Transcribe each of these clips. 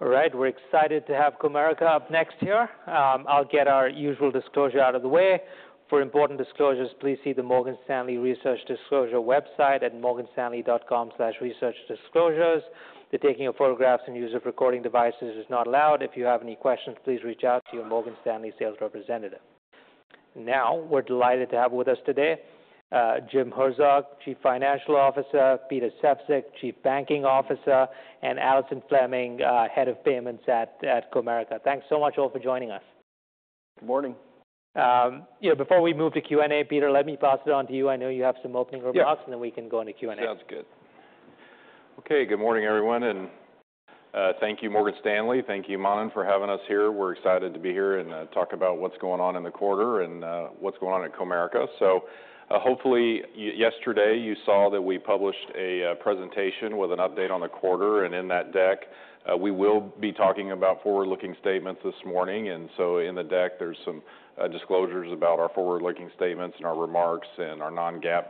All right, we're excited to have Comerica up next here. I'll get our usual disclosure out of the way. For important disclosures, please see the Morgan Stanley Research Disclosure website at morganstanley.com/researchdisclosures. The taking of photographs and use of recording devices is not allowed. If you have any questions, please reach out to your Morgan Stanley sales representative. Now, we're delighted to have with us today Jim Herzog, Chief Financial Officer; Peter Sefzik, Chief Banking Officer; and Alison Fleming, Head of Payments at Comerica. Thanks so much, all, for joining us. Good morning. Before we move to Q&A, Peter, let me pass it on to you. I know you have some opening remarks, and then we can go into Q&A. Sounds good. Okay, good morning, everyone. Thank you, Morgan Stanley. Thank you, Monin, for having us here. We're excited to be here and talk about what's going on in the quarter and what's going on at Comerica. Hopefully, yesterday you saw that we published a presentation with an update on the quarter. In that deck, we will be talking about forward-looking statements this morning. In the deck, there are some disclosures about our forward-looking statements and our remarks and our non-GAAP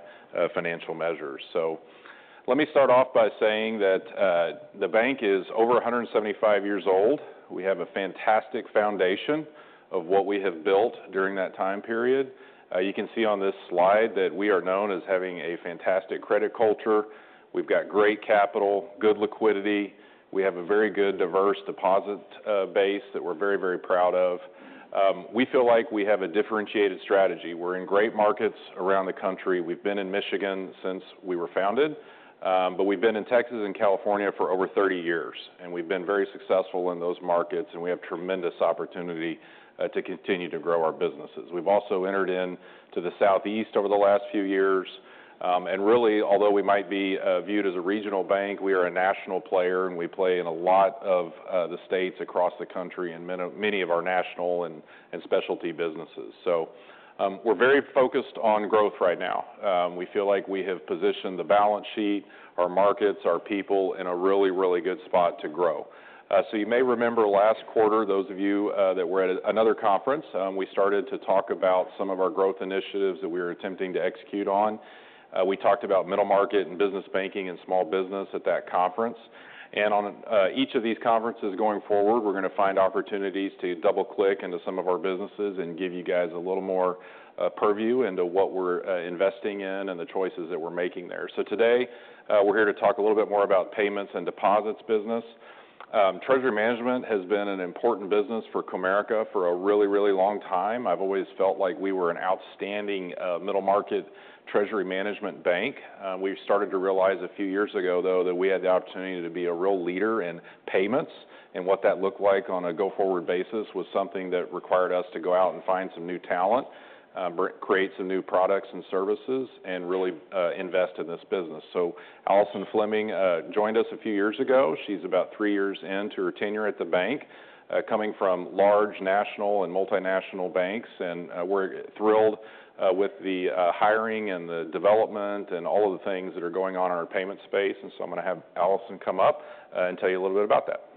financial measures. Let me start off by saying that the bank is over 175 years old. We have a fantastic foundation of what we have built during that time period. You can see on this slide that we are known as having a fantastic credit culture. We've got great capital, good liquidity. We have a very good, diverse deposit base that we're very, very proud of. We feel like we have a differentiated strategy. We're in great markets around the country. We've been in Michigan since we were founded. We have been in Texas and California for over 30 years. We have been very successful in those markets. We have tremendous opportunity to continue to grow our businesses. We have also entered into the Southeast over the last few years. Really, although we might be viewed as a regional bank, we are a national player. We play in a lot of the states across the country in many of our national and specialty businesses. We are very focused on growth right now. We feel like we have positioned the balance sheet, our markets, our people in a really, really good spot to grow. You may remember last quarter, those of you that were at another conference, we started to talk about some of our growth initiatives that we were attempting to execute on. We talked about middle market and business banking and small business at that conference. On each of these conferences going forward, we're going to find opportunities to double-click into some of our businesses and give you guys a little more purview into what we're investing in and the choices that we're making there. Today, we're here to talk a little bit more about payments and deposits business. Treasury management has been an important business for Comerica for a really, really long time. I've always felt like we were an outstanding middle market treasury management bank. We started to realize a few years ago, though, that we had the opportunity to be a real leader in payments. What that looked like on a go-forward basis was something that required us to go out and find some new talent, create some new products and services, and really invest in this business. Alison Fleming joined us a few years ago. She is about three years into her tenure at the bank, coming from large national and multinational banks. We are thrilled with the hiring and the development and all of the things that are going on in our payments space. I am going to have Alison come up and tell you a little bit about that.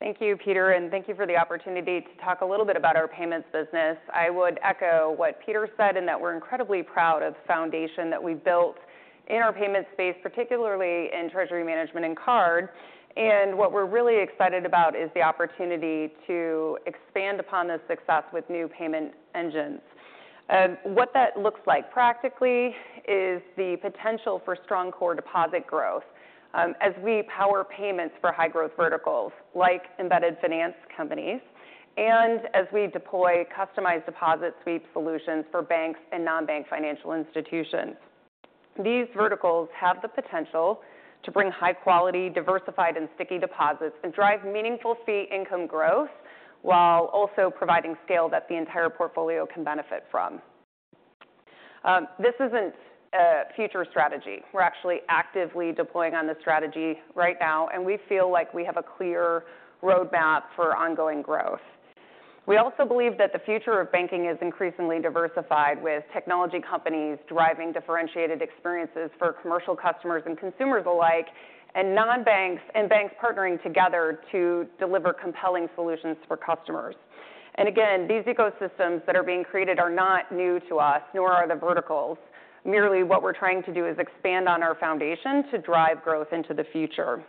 Thank you, Peter. Thank you for the opportunity to talk a little bit about our payments business. I would echo what Peter said in that we're incredibly proud of the foundation that we've built in our payments space, particularly in treasury management and card. What we're really excited about is the opportunity to expand upon this success with new payment engines. What that looks like practically is the potential for strong core deposit growth as we power payments for high-growth verticals like embedded finance companies and as we deploy customized deposit sweep solutions for banks and non-bank financial institutions. These verticals have the potential to bring high-quality, diversified, and sticky deposits and drive meaningful fee income growth while also providing scale that the entire portfolio can benefit from. This isn't a future strategy. We're actually actively deploying on this strategy right now. We feel like we have a clear roadmap for ongoing growth. We also believe that the future of banking is increasingly diversified, with technology companies driving differentiated experiences for commercial customers and consumers alike, and non-banks and banks partnering together to deliver compelling solutions for customers. These ecosystems that are being created are not new to us, nor are the verticals. Merely what we're trying to do is expand on our foundation to drive growth into the future.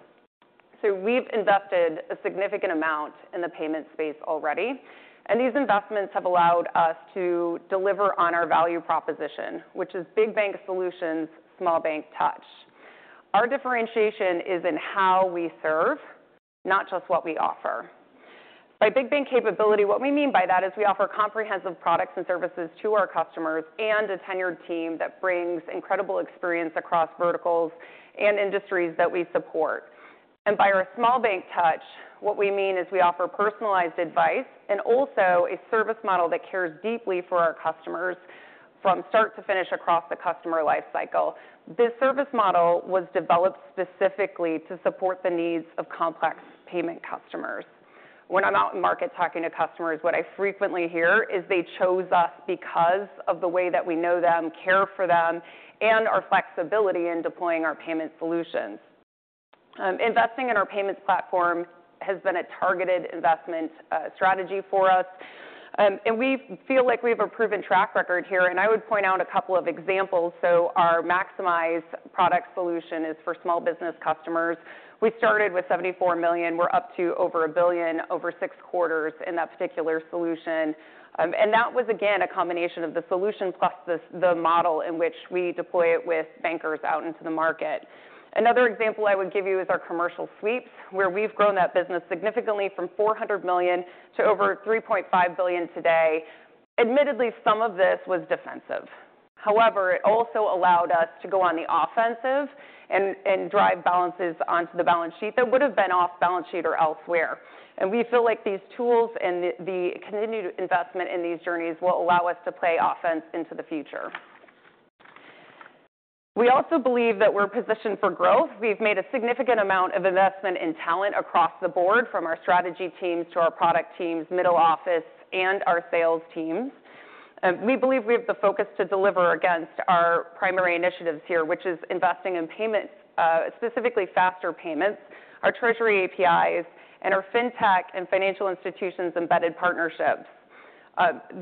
We've invested a significant amount in the payment space already. These investments have allowed us to deliver on our value proposition, which is big bank solutions, small bank touch. Our differentiation is in how we serve, not just what we offer. By big bank capability, what we mean by that is we offer comprehensive products and services to our customers and a tenured team that brings incredible experience across verticals and industries that we support. By our small bank touch, what we mean is we offer personalized advice and also a service model that cares deeply for our customers from start to finish across the customer lifecycle. This service model was developed specifically to support the needs of complex payment customers. When I'm out in market talking to customers, what I frequently hear is they chose us because of the way that we know them, care for them, and our flexibility in deploying our payment solutions. Investing in our payments platform has been a targeted investment strategy for us. We feel like we have a proven track record here. I would point out a couple of examples. Our Maximize product solution is for small business customers. We started with $74 million. We're up to over $1 billion over six quarters in that particular solution. That was, again, a combination of the solution plus the model in which we deploy it with bankers out into the market. Another example I would give you is our commercial sweeps, where we've grown that business significantly from $400 million to over $3.5 billion today. Admittedly, some of this was defensive. However, it also allowed us to go on the offensive and drive balances onto the balance sheet that would have been off-balance sheet or elsewhere. We feel like these tools and the continued investment in these journeys will allow us to play offense into the future. We also believe that we're positioned for growth. We've made a significant amount of investment in talent across the board, from our strategy teams to our product teams, middle office, and our sales teams. We believe we have the focus to deliver against our primary initiatives here, which is investing in payments, specifically faster payments, our treasury APIs, and our fintech and financial institutions' embedded partnerships.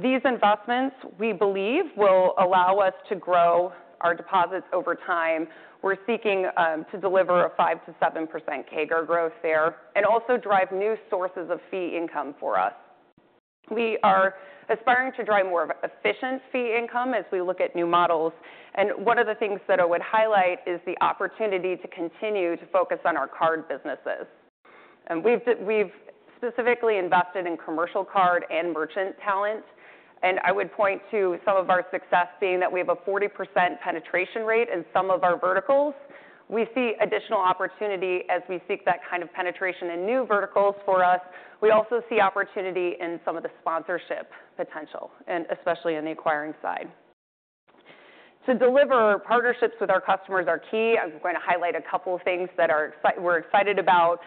These investments, we believe, will allow us to grow our deposits over time. We're seeking to deliver a 5%-7% CAGR growth there and also drive new sources of fee income for us. We are aspiring to drive more efficient fee income as we look at new models. One of the things that I would highlight is the opportunity to continue to focus on our card businesses. We've specifically invested in commercial card and merchant talent. I would point to some of our success being that we have a 40% penetration rate in some of our verticals. We see additional opportunity as we seek that kind of penetration in new verticals for us. We also see opportunity in some of the sponsorship potential, especially in the acquiring side. To deliver, partnerships with our customers are key. I'm going to highlight a couple of things that we're excited about.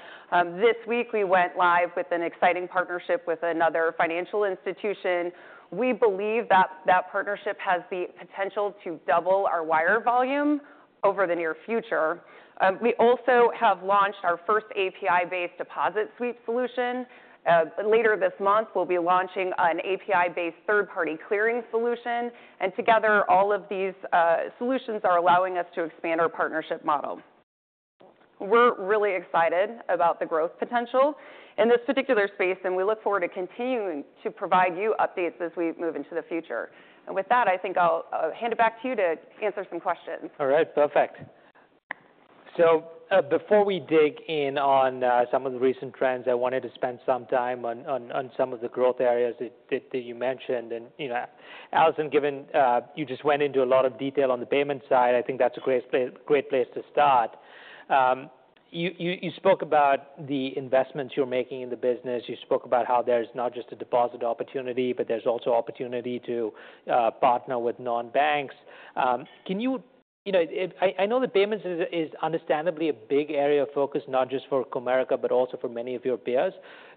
This week, we went live with an exciting partnership with another financial institution. We believe that that partnership has the potential to double our wire volume over the near future. We also have launched our first API-based deposit sweep solution. Later this month, we'll be launching an API-based third-party clearing solution. Together, all of these solutions are allowing us to expand our partnership model. We're really excited about the growth potential in this particular space. We look forward to continuing to provide you updates as we move into the future. With that, I think I'll hand it back to you to answer some questions. All right, perfect. Before we dig in on some of the recent trends, I wanted to spend some time on some of the growth areas that you mentioned. Alison, given you just went into a lot of detail on the payment side, I think that's a great place to start. You spoke about the investments you're making in the business. You spoke about how there's not just a deposit opportunity, but there's also opportunity to partner with non-banks. I know that payments is understandably a big area of focus, not just for Comerica, but also for many of your peers.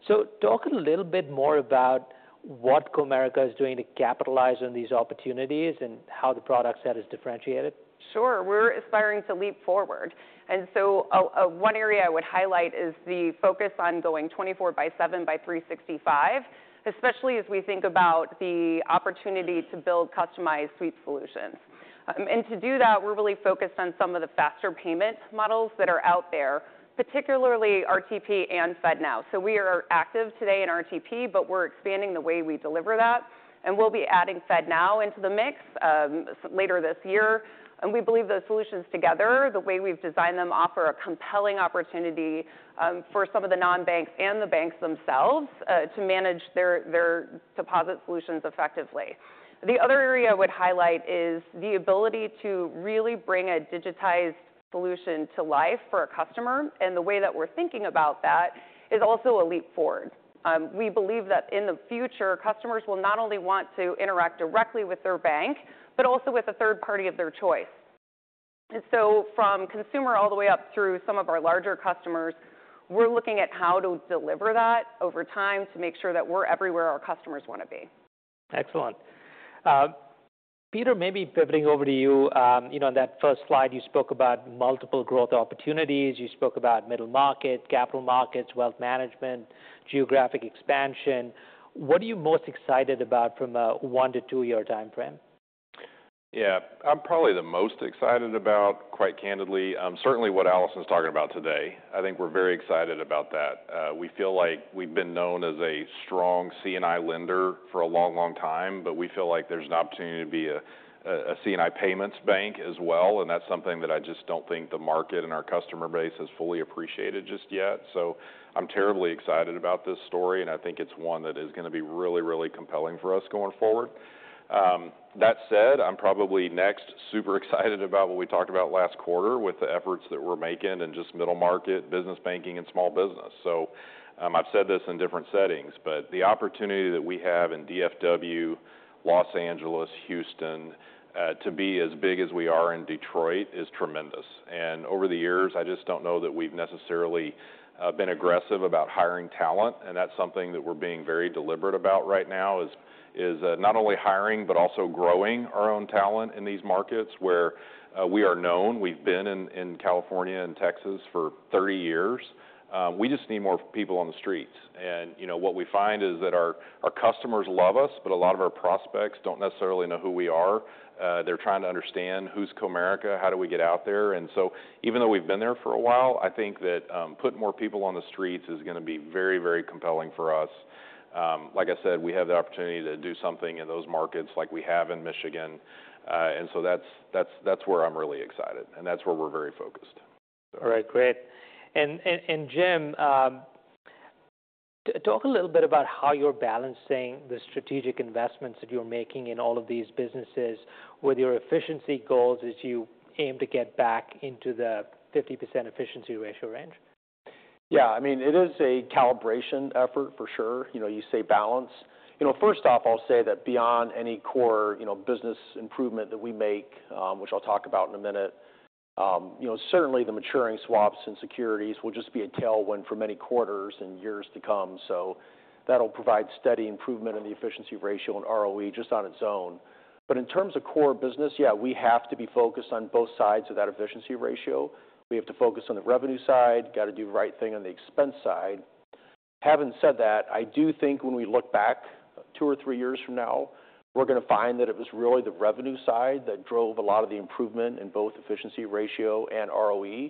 Talk a little bit more about what Comerica is doing to capitalize on these opportunities and how the product set is differentiated. Sure. We're aspiring to leap forward. One area I would highlight is the focus on going 24 by 7 by 365, especially as we think about the opportunity to build customized sweep solutions. To do that, we're really focused on some of the faster payment models that are out there, particularly RTP and FedNow. We are active today in RTP, but we're expanding the way we deliver that. We'll be adding FedNow into the mix later this year. We believe those solutions together, the way we've designed them, offer a compelling opportunity for some of the non-banks and the banks themselves to manage their deposit solutions effectively. The other area I would highlight is the ability to really bring a digitized solution to life for a customer. The way that we're thinking about that is also a leap forward. We believe that in the future, customers will not only want to interact directly with their bank, but also with a third party of their choice. From consumer all the way up through some of our larger customers, we are looking at how to deliver that over time to make sure that we are everywhere our customers want to be. Excellent. Peter, maybe pivoting over to you. On that first slide, you spoke about multiple growth opportunities. You spoke about middle market, capital markets, wealth management, geographic expansion. What are you most excited about from a one- to two-year time frame? Yeah, I'm probably the most excited about, quite candidly, certainly what Alison's talking about today. I think we're very excited about that. We feel like we've been known as a strong C&I lender for a long, long time. We feel like there's an opportunity to be a C&I payments bank as well. That's something that I just don't think the market and our customer base has fully appreciated just yet. I'm terribly excited about this story. I think it's one that is going to be really, really compelling for us going forward. That said, I'm probably next super excited about what we talked about last quarter with the efforts that we're making in just middle market, business banking, and small business. I've said this in different settings. The opportunity that we have in DFW, Los Angeles, Houston, to be as big as we are in Detroit is tremendous. Over the years, I just do not know that we have necessarily been aggressive about hiring talent. That is something that we are being very deliberate about right now, not only hiring, but also growing our own talent in these markets where we are known. We have been in California and Texas for 30 years. We just need more people on the streets. What we find is that our customers love us, but a lot of our prospects do not necessarily know who we are. They are trying to understand who is Comerica, how do we get out there. Even though we have been there for a while, I think that putting more people on the streets is going to be very, very compelling for us. Like I said, we have the opportunity to do something in those markets like we have in Michigan. That is where I'm really excited. That is where we're very focused. All right, great. Jim, talk a little bit about how you're balancing the strategic investments that you're making in all of these businesses with your efficiency goals as you aim to get back into the 50% efficiency ratio range. Yeah, I mean, it is a calibration effort, for sure. You say balance. First off, I'll say that beyond any core business improvement that we make, which I'll talk about in a minute, certainly the maturing swaps and securities will just be a tailwind for many quarters and years to come. That'll provide steady improvement in the efficiency ratio and ROE just on its own. In terms of core business, yeah, we have to be focused on both sides of that efficiency ratio. We have to focus on the revenue side. Got to do the right thing on the expense side. Having said that, I do think when we look back two or three years from now, we're going to find that it was really the revenue side that drove a lot of the improvement in both efficiency ratio and ROE.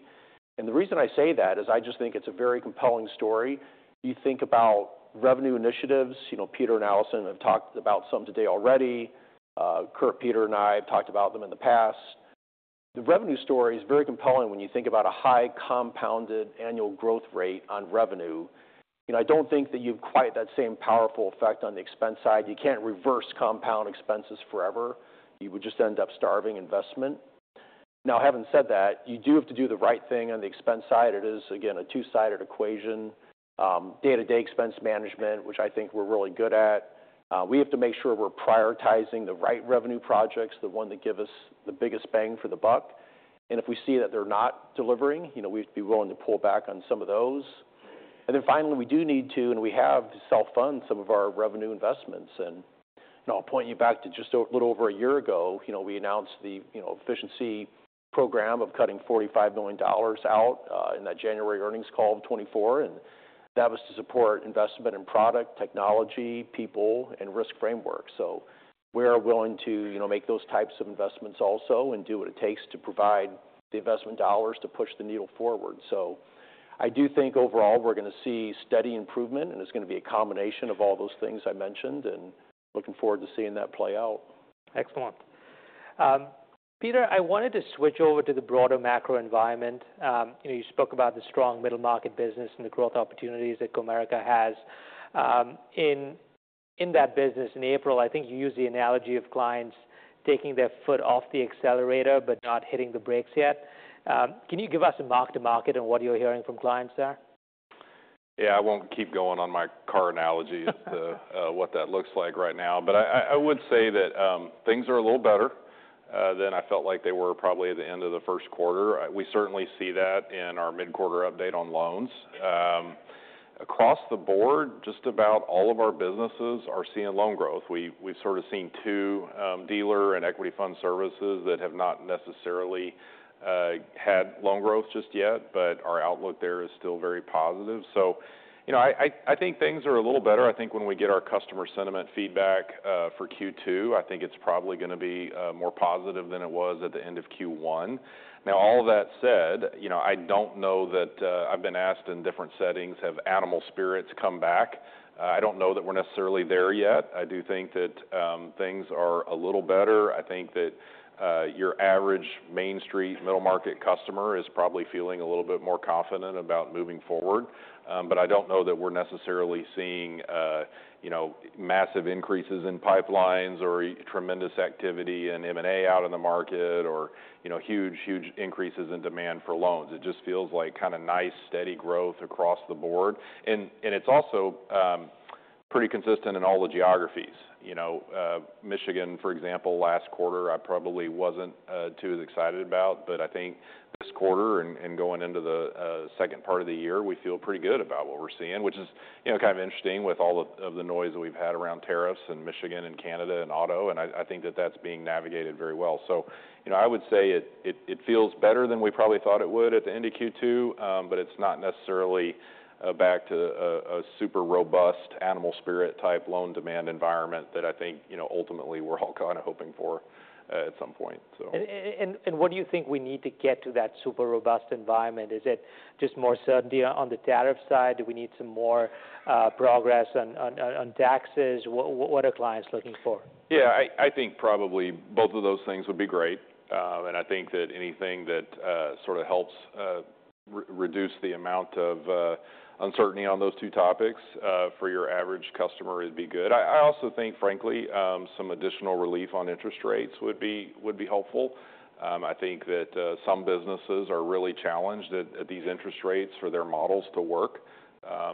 The reason I say that is I just think it's a very compelling story. You think about revenue initiatives. Peter and Alison have talked about some today already. Curt, Peter, and I have talked about them in the past. The revenue story is very compelling when you think about a high compounded annual growth rate on revenue. I don't think that you have quite that same powerful effect on the expense side. You can't reverse compound expenses forever. You would just end up starving investment. Now, having said that, you do have to do the right thing on the expense side. It is, again, a two-sided equation. Day-to-day expense management, which I think we're really good at. We have to make sure we're prioritizing the right revenue projects, the one that gives us the biggest bang for the buck. If we see that they're not delivering, we have to be willing to pull back on some of those. Finally, we do need to, and we have, self-fund some of our revenue investments. I'll point you back to just a little over a year ago, we announced the efficiency program of cutting $45 million out in that January earnings call of 2024. That was to support investment in product, technology, people, and risk framework. We are willing to make those types of investments also and do what it takes to provide the investment dollars to push the needle forward. I do think overall we're going to see steady improvement. It's going to be a combination of all those things I mentioned. Looking forward to seeing that play out. Excellent. Peter, I wanted to switch over to the broader macro environment. You spoke about the strong middle market business and the growth opportunities that Comerica has. In that business in April, I think you used the analogy of clients taking their foot off the accelerator but not hitting the brakes yet. Can you give us a mark to market and what you're hearing from clients there? Yeah, I won't keep going on my car analogy as to what that looks like right now. I would say that things are a little better than I felt like they were probably at the end of the first quarter. We certainly see that in our mid-quarter update on loans. Across the board, just about all of our businesses are seeing loan growth. We've sort of seen two dealer and equity fund services that have not necessarily had loan growth just yet. Our outlook there is still very positive. I think things are a little better. I think when we get our customer sentiment feedback for Q2, I think it's probably going to be more positive than it was at the end of Q1. Now, all that said, I don't know that I've been asked in different settings, have animal spirits come back. I don't know that we're necessarily there yet. I do think that things are a little better. I think that your average Main Street middle-market customer is probably feeling a little bit more confident about moving forward. I don't know that we're necessarily seeing massive increases in pipelines or tremendous activity in M&A out in the market or huge, huge increases in demand for loans. It just feels like kind of nice, steady growth across the board. It's also pretty consistent in all the geographies. Michigan, for example, last quarter, I probably wasn't too excited about. I think this quarter and going into the second part of the year, we feel pretty good about what we're seeing, which is kind of interesting with all of the noise that we've had around tariffs in Michigan and Canada and auto. I think that that's being navigated very well. I would say it feels better than we probably thought it would at the end of Q2. It is not necessarily back to a super robust animal spirit-type loan demand environment that I think ultimately we are all kind of hoping for at some point. What do you think we need to get to that super robust environment? Is it just more certainty on the tariff side? Do we need some more progress on taxes? What are clients looking for? Yeah, I think probably both of those things would be great. I think that anything that sort of helps reduce the amount of uncertainty on those two topics for your average customer would be good. I also think, frankly, some additional relief on interest rates would be helpful. I think that some businesses are really challenged at these interest rates for their models to work,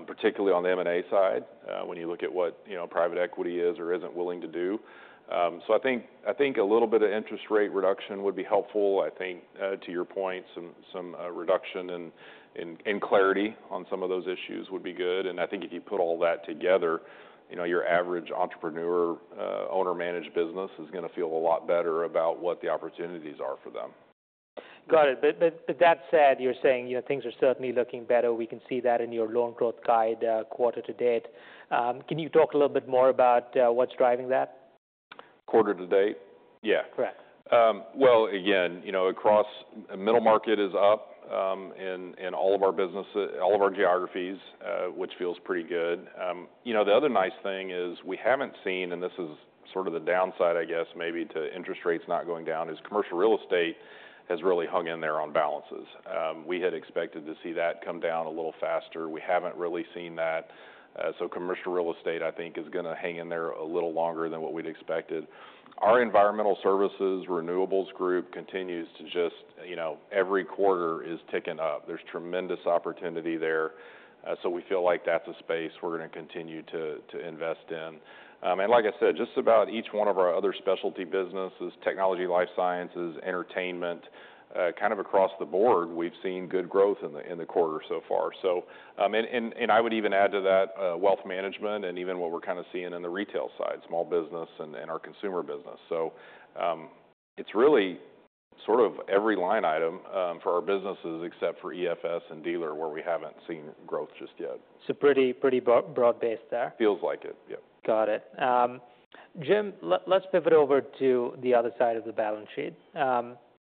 particularly on the M&A side when you look at what private equity is or is not willing to do. I think a little bit of interest rate reduction would be helpful. I think, to your point, some reduction in clarity on some of those issues would be good. I think if you put all that together, your average entrepreneur owner-managed business is going to feel a lot better about what the opportunities are for them. Got it. That said, you're saying things are certainly looking better. We can see that in your loan growth guide quarter to date. Can you talk a little bit more about what's driving that? Quarter to date? Yeah. Correct. Across middle market is up in all of our businesses, all of our geographies, which feels pretty good. The other nice thing is we have not seen, and this is sort of the downside, I guess, maybe to interest rates not going down, is commercial real estate has really hung in there on balances. We had expected to see that come down a little faster. We have not really seen that. Commercial real estate, I think, is going to hang in there a little longer than what we had expected. Our environmental services renewables group continues to just, every quarter is ticking up. There is tremendous opportunity there. We feel like that is a space we are going to continue to invest in. Like I said, just about each one of our other specialty businesses—technology, life sciences, entertainment, kind of across the board—we've seen good growth in the quarter so far. I would even add to that wealth management and even what we're kind of seeing in the retail side, small business, and our consumer business. It's really sort of every line item for our businesses except for EFS and dealer, where we haven't seen growth just yet. Pretty broad based there. Feels like it, yeah. Got it. Jim, let's pivot over to the other side of the balance sheet.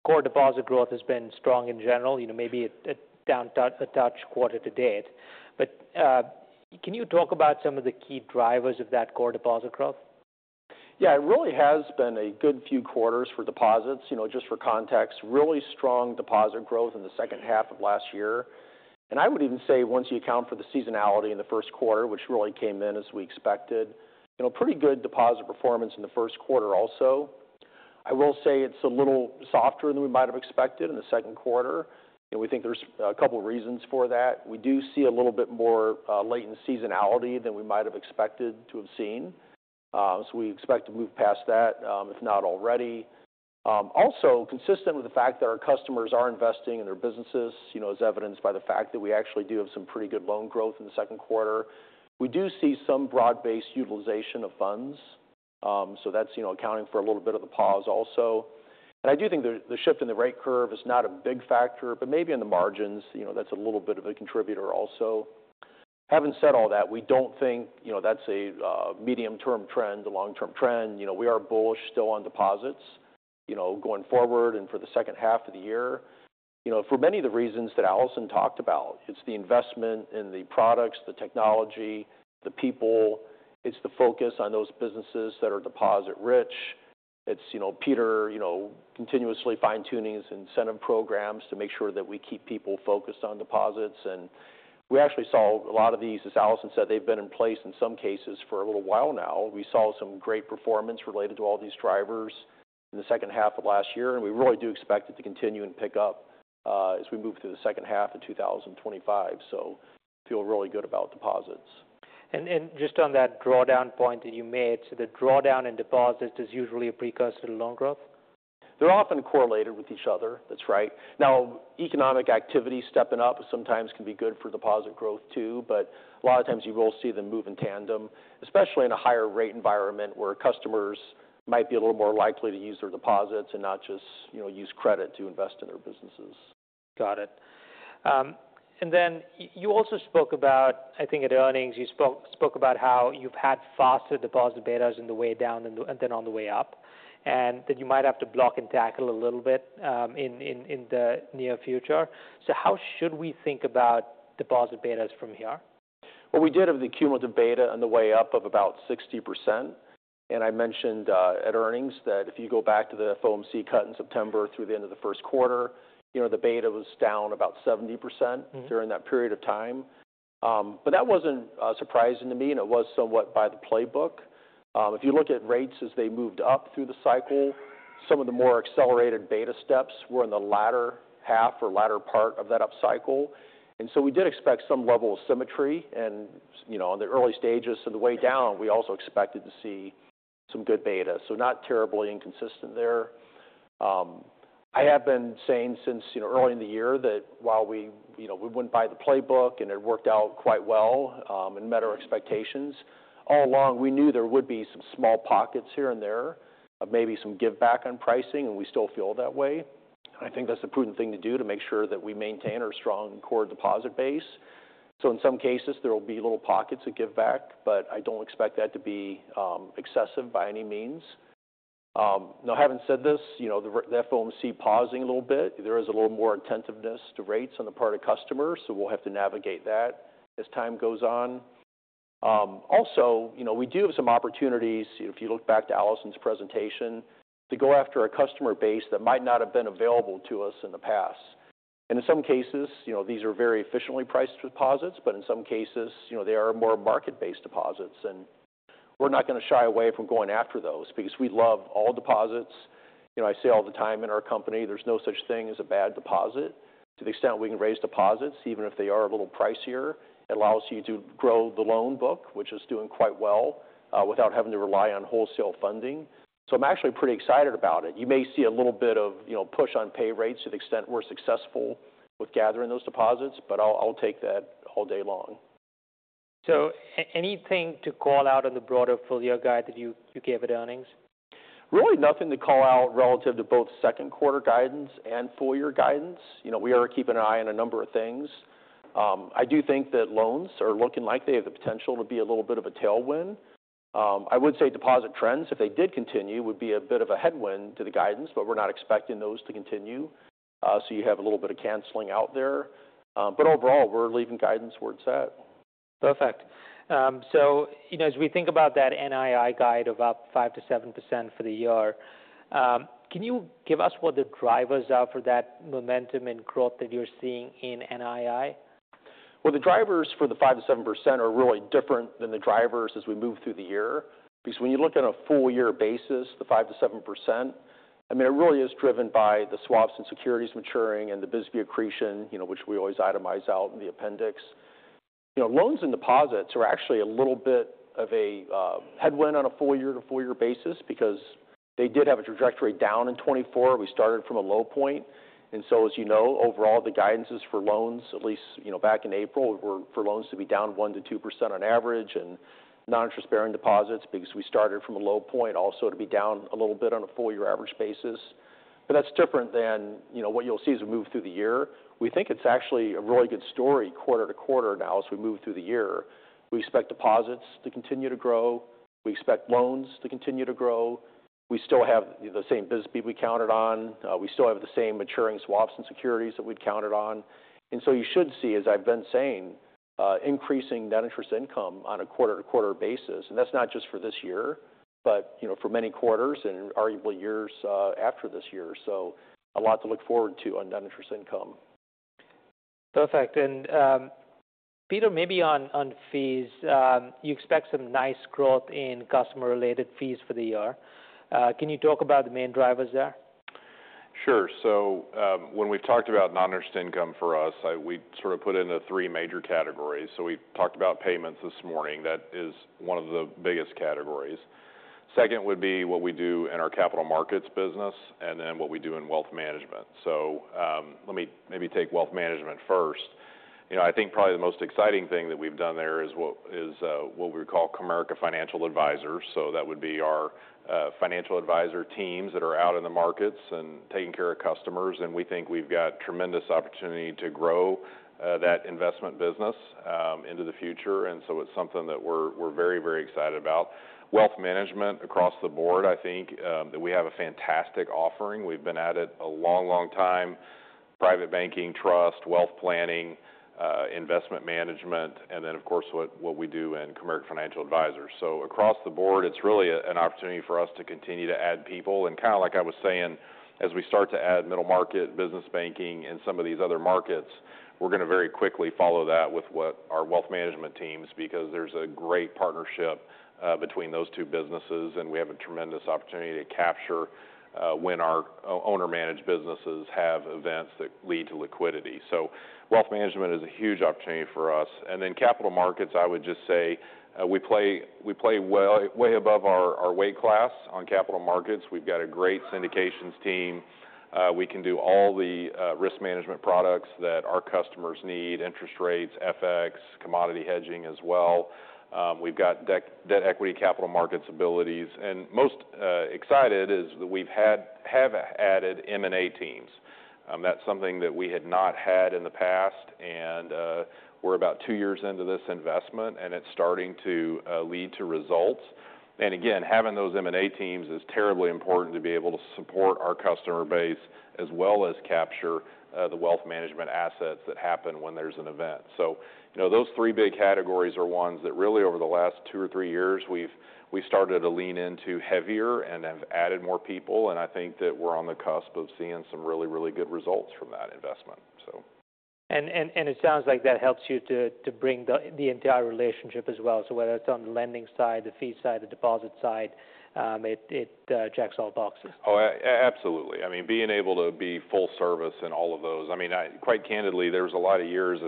Core deposit growth has been strong in general. Maybe a touch quarter to date. Can you talk about some of the key drivers of that core deposit growth? Yeah, it really has been a good few quarters for deposits. Just for context, really strong deposit growth in the second half of last year. I would even say once you account for the seasonality in the first quarter, which really came in as we expected, pretty good deposit performance in the first quarter also. I will say it's a little softer than we might have expected in the second quarter. We think there's a couple of reasons for that. We do see a little bit more latent seasonality than we might have expected to have seen. We expect to move past that, if not already. Also, consistent with the fact that our customers are investing in their businesses, as evidenced by the fact that we actually do have some pretty good loan growth in the second quarter, we do see some broad-based utilization of funds. That's accounting for a little bit of the pause also. I do think the shift in the rate curve is not a big factor, but maybe on the margins, that's a little bit of a contributor also. Having said all that, we don't think that's a medium-term trend, a long-term trend. We are bullish still on deposits going forward and for the second half of the year. For many of the reasons that Alison talked about, it's the investment in the products, the technology, the people. It's the focus on those businesses that are deposit-rich. It's Peter continuously fine-tuning his incentive programs to make sure that we keep people focused on deposits. We actually saw a lot of these; as Alison said, they've been in place in some cases for a little while now. We saw some great performance related to all these drivers in the second half of last year. We really do expect it to continue and pick up as we move through the second half of 2025. Feel really good about deposits. Just on that drawdown point that you made, the drawdown in deposits is usually a precursor to loan growth? They're often correlated with each other. That's right. Now, economic activity stepping up sometimes can be good for deposit growth too. A lot of times you will see them move in tandem, especially in a higher rate environment where customers might be a little more likely to use their deposits and not just use credit to invest in their businesses. Got it. You also spoke about, I think at earnings, you spoke about how you've had faster deposit betas on the way down and then on the way up, and that you might have to block and tackle a little bit in the near future. How should we think about deposit betas from here? We did have the cumulative beta on the way up of about 60%. I mentioned at earnings that if you go back to the FOMC cut in September through the end of the first quarter, the beta was down about 70% during that period of time. That was not surprising to me. It was somewhat by the playbook. If you look at rates as they moved up through the cycle, some of the more accelerated beta steps were in the latter half or latter part of that upcycle. We did expect some level of symmetry. In the early stages of the way down, we also expected to see some good beta. Not terribly inconsistent there. I have been saying since early in the year that while we would not buy the playbook and it worked out quite well and met our expectations, all along we knew there would be some small pockets here and there of maybe some give back on pricing. We still feel that way. I think that is a prudent thing to do to make sure that we maintain our strong core deposit base. In some cases, there will be little pockets of give back. I do not expect that to be excessive by any means. Now, having said this, the FOMC pausing a little bit, there is a little more attentiveness to rates on the part of customers. We will have to navigate that as time goes on. Also, we do have some opportunities. If you look back to Alison's presentation, to go after a customer base that might not have been available to us in the past. In some cases, these are very efficiently priced deposits. In some cases, they are more market-based deposits. We are not going to shy away from going after those because we love all deposits. I say all the time in our company, there is no such thing as a bad deposit. To the extent we can raise deposits, even if they are a little pricier, it allows you to grow the loan book, which is doing quite well without having to rely on wholesale funding. I am actually pretty excited about it. You may see a little bit of push on pay rates to the extent we are successful with gathering those deposits. I will take that all day long. Anything to call out on the broader full-year guide that you gave at earnings? Really nothing to call out relative to both second-quarter guidance and full-year guidance. We are keeping an eye on a number of things. I do think that loans are looking like they have the potential to be a little bit of a tailwind. I would say deposit trends, if they did continue, would be a bit of a headwind to the guidance. We are not expecting those to continue. You have a little bit of canceling out there. Overall, we are leaving guidance where it is set. Perfect. As we think about that NII guide of up 5%-7% for the year, can you give us what the drivers are for that momentum and growth that you're seeing in NII? The drivers for the 5%-7% are really different than the drivers as we move through the year. Because when you look on a full-year basis, the 5%-7%, I mean, it really is driven by the swaps and securities maturing and the BISB accretion, which we always itemize out in the appendix. Loans and deposits are actually a little bit of a headwind on a full year to full-year basis because they did have a trajectory down in 2024. We started from a low point. And as you know, overall, the guidance is for loans, at least back in April, for loans to be down 1%-2% on average and non-interest-bearing deposits, because we started from a low point, also to be down a little bit on a full-year average basis. That is different than what you'll see as we move through the year. We think it's actually a really good story quarter to quarter now as we move through the year. We expect deposits to continue to grow. We expect loans to continue to grow. We still have the same business people we counted on. We still have the same maturing swaps and securities that we'd counted on. You should see, as I've been saying, increasing net interest income on a quarter-to-quarter basis. That is not just for this year but for many quarters and arguably years after this year. A lot to look forward to on net interest income. Perfect. Peter, maybe on fees, you expect some nice growth in customer-related fees for the year. Can you talk about the main drivers there? Sure. When we've talked about non-interest income for us, we sort of put it into three major categories. We talked about payments this morning. That is one of the biggest categories. Second would be what we do in our capital markets business and then what we do in wealth management. Let me maybe take wealth management first. I think probably the most exciting thing that we've done there is what we would call Comerica Financial Advisors. That would be our financial advisor teams that are out in the markets and taking care of customers. We think we've got tremendous opportunity to grow that investment business into the future. It is something that we're very, very excited about. Wealth management across the board, I think that we have a fantastic offering. We've been at it a long, long time. Private banking, trust, wealth planning, investment management, and then, of course, what we do in Comerica Financial Advisors. Across the board, it's really an opportunity for us to continue to add people. Kind of like I was saying, as we start to add middle market, business banking, and some of these other markets, we're going to very quickly follow that with our wealth management teams because there's a great partnership between those two businesses. We have a tremendous opportunity to capture when our owner-managed businesses have events that lead to liquidity. Wealth management is a huge opportunity for us. Capital markets, I would just say we play way above our weight class on capital markets. We've got a great syndications team. We can do all the risk management products that our customers need: interest rates, FX, commodity hedging as well. We've got debt equity capital markets abilities. Most excited is that we've had added M&A teams. That's something that we had not had in the past. We're about two years into this investment. It's starting to lead to results. Having those M&A teams is terribly important to be able to support our customer base as well as capture the wealth management assets that happen when there's an event. Those three big categories are ones that, really over the last two or three years, we've started to lean into heavier and have added more people. I think that we're on the cusp of seeing some really, really good results from that investment. It sounds like that helps you to bring the entire relationship as well. Whether it's on the lending side, the fee side, the deposit side, it checks all boxes. Oh, absolutely. I mean, being able to be full service in all of those. I mean, quite candidly, there's a lot of years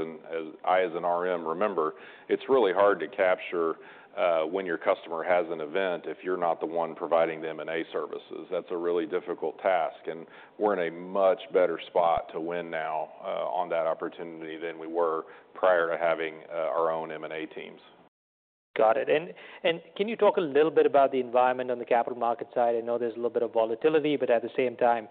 I as an RM remember it's really hard to capture when your customer has an event if you're not the one providing them M&A services. That's a really difficult task. We're in a much better spot to win now on that opportunity than we were prior to having our own M&A teams. Got it. Can you talk a little bit about the environment on the capital market side? I know there's a little bit of volatility. At the same time,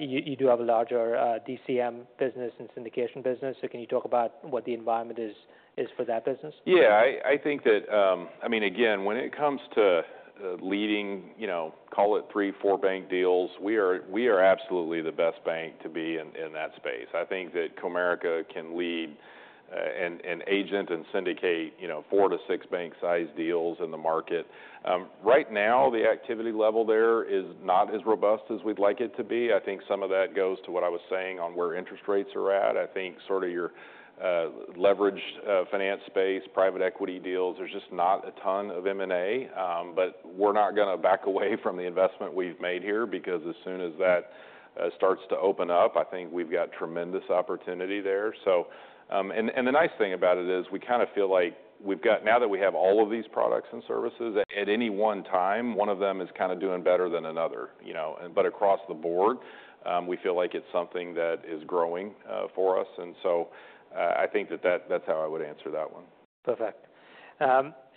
you do have a larger DCM business and syndication business. Can you talk about what the environment is for that business? Yeah. I think that, I mean, again, when it comes to leading, call it three, four bank deals, we are absolutely the best bank to be in that space. I think that Comerica can lead and agent and syndicate four- to six-bank-sized deals in the market. Right now, the activity level there is not as robust as we'd like it to be. I think some of that goes to what I was saying on where interest rates are at. I think sort of your leveraged finance space, private equity deals, there's just not a ton of M&A. But we're not going to back away from the investment we've made here because as soon as that starts to open up, I think we've got tremendous opportunity there. The nice thing about it is we kind of feel like now that we have all of these products and services, at any one time, one of them is kind of doing better than another. Across the board, we feel like it is something that is growing for us. I think that is how I would answer that one. Perfect.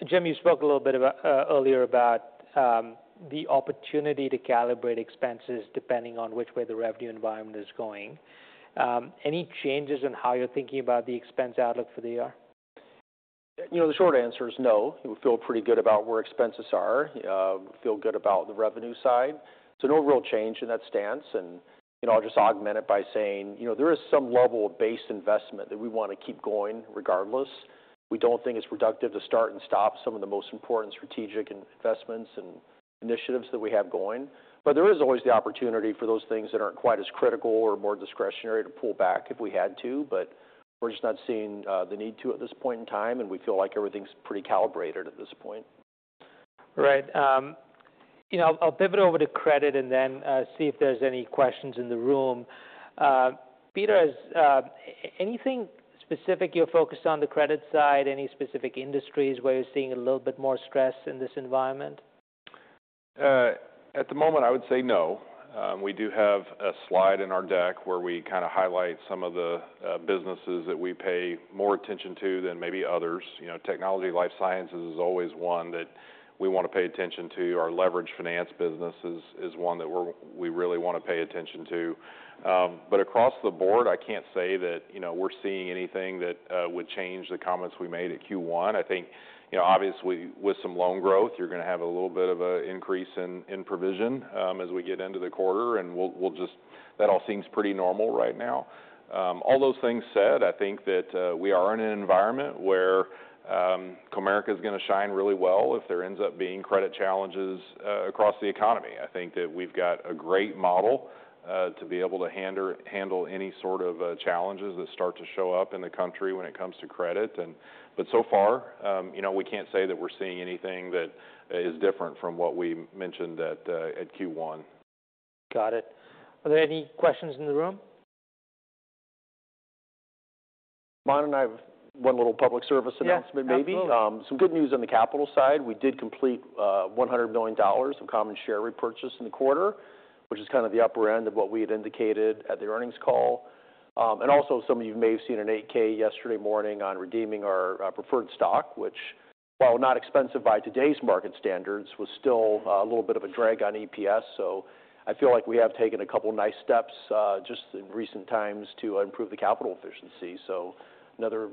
Jim, you spoke a little bit earlier about the opportunity to calibrate expenses depending on which way the revenue environment is going. Any changes in how you're thinking about the expense outlook for the year? The short answer is no. We feel pretty good about where expenses are. We feel good about the revenue side. No real change in that stance. I'll just augment it by saying there is some level of base investment that we want to keep going regardless. We don't think it's productive to start and stop some of the most important strategic investments and initiatives that we have going. There is always the opportunity for those things that aren't quite as critical or more discretionary to pull back if we had to. We're just not seeing the need to at this point in time. We feel like everything's pretty calibrated at this point. Right. I'll pivot over to credit and then see if there's any questions in the room. Peter, anything specific you're focused on the credit side, any specific industries where you're seeing a little bit more stress in this environment? At the moment, I would say no. We do have a slide in our deck where we kind of highlight some of the businesses that we pay more attention to than maybe others. Technology, life sciences is always one that we want to pay attention to. Our leveraged finance business is one that we really want to pay attention to. Across the board, I can't say that we're seeing anything that would change the comments we made at Q1. I think obviously with some loan growth, you're going to have a little bit of an increase in provision as we get into the quarter. That all seems pretty normal right now. All those things said, I think that we are in an environment where Comerica is going to shine really well if there ends up being credit challenges across the economy. I think that we've got a great model to be able to handle any sort of challenges that start to show up in the country when it comes to credit. So far, we can't say that we're seeing anything that is different from what we mentioned at Q1. Got it. Are there any questions in the room? Monica, one little public service announcement maybe. Yeah, please. Some good news on the capital side. We did complete $100 million of common share repurchase in the quarter, which is kind of the upper end of what we had indicated at the earnings call. Also, some of you may have seen an 8K yesterday morning on redeeming our preferred stock, which, while not expensive by today's market standards, was still a little bit of a drag on EPS. I feel like we have taken a couple of nice steps just in recent times to improve the capital efficiency. Another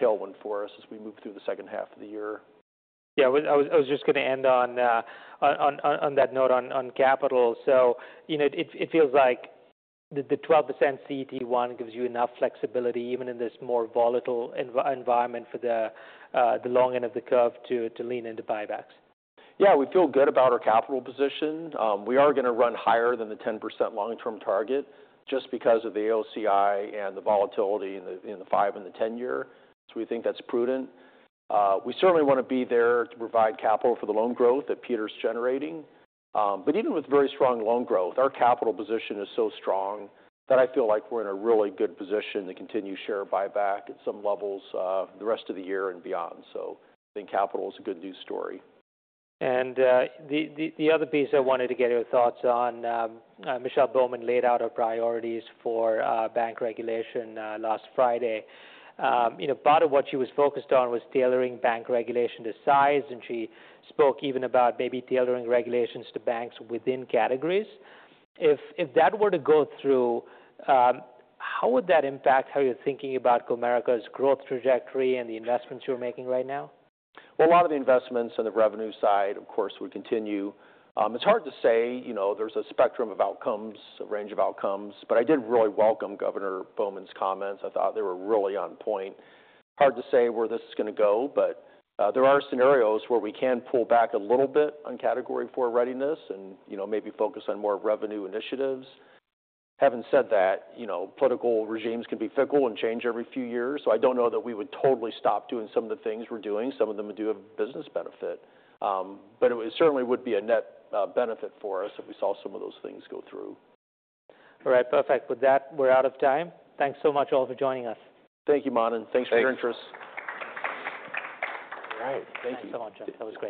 tailwind for us as we move through the second half of the year. Yeah. I was just going to end on that note on capital. It feels like the 12% CET1 gives you enough flexibility even in this more volatile environment for the long end of the curve to lean into buybacks. Yeah. We feel good about our capital position. We are going to run higher than the 10% long-term target just because of the OCI and the volatility in the 5 and the 10 year. We think that's prudent. We certainly want to be there to provide capital for the loan growth that Peter's generating. Even with very strong loan growth, our capital position is so strong that I feel like we're in a really good position to continue share buyback at some levels the rest of the year and beyond. I think capital is a good news story. The other piece I wanted to get your thoughts on: Michelle Bowman laid out her priorities for bank regulation last Friday. Part of what she was focused on was tailoring bank regulation to size. She spoke even about maybe tailoring regulations to banks within categories. If that were to go through, how would that impact how you're thinking about Comerica's growth trajectory and the investments you're making right now? A lot of the investments on the revenue side, of course, would continue. It's hard to say. There's a spectrum of outcomes, a range of outcomes. I did really welcome Governor Bowman's comments. I thought they were really on point. Hard to say where this is going to go. There are scenarios where we can pull back a little bit on category four readiness and maybe focus on more revenue initiatives. Having said that, political regimes can be fickle and change every few years. I don't know that we would totally stop doing some of the things we're doing. Some of them do have business benefit. It certainly would be a net benefit for us if we saw some of those things go through. All right. Perfect. With that, we're out of time. Thanks so much all for joining us. Thank you, Manon. Thanks for your interest. All right. Thank you so much guys, that was great.